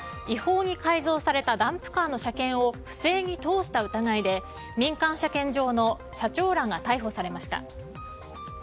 違法に改造されたダンプカーの車検を不正に通した疑いで民間車検場の社長らが逮捕されました。